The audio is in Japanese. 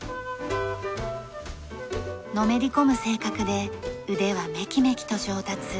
のめり込む性格で腕はめきめきと上達。